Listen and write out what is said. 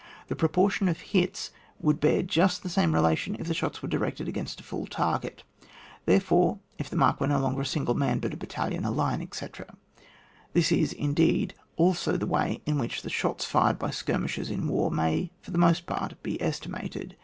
The proportion of hits would bear just the same relation if the shots were directed against a full target, — therefore if the mark was no longer a single man, but a battalion, a line, etc. This is, indeed, also the way in which the shots fired by skirmishers in war may for the most part be estimated.